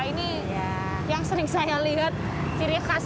ini yang sering saya lihat ciri khas